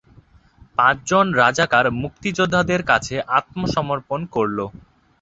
পাঁচজন রাজাকার মুক্তিযোদ্ধাদের কাছে আত্মসমর্পণ করল।